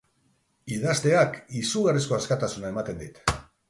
Idazteak izugarrizko askatasuna ematen dit.